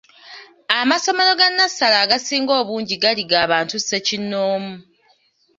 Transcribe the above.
Amasomero ga nnassale agasinga obungi gaali g’abantu ssekinnoomu.